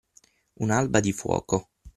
Un’alba di fuoco.